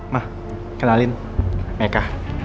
ma kenalin meka